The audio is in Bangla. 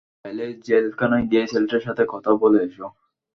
চাইলে, জেলখানায় গিয়ে ছেলেটার সাথে কথা বলে এসো।